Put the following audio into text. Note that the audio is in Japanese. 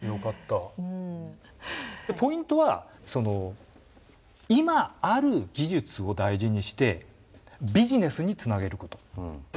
ポイントはその今ある技術を大事にしてビジネスにつなげること。